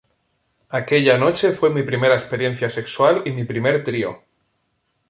Aquella noche fue mi primera experiencia sexual y mi primer trío.